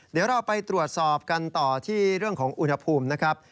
เดี๋ยวเราไปตรวจสอบกันต่อที่เรื่องของอุณหภูมินะครับ